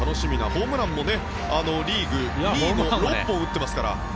ホームランもリーグで６本打ってますから。